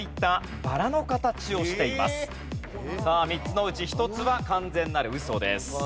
さあ３つのうち１つは完全なるウソです。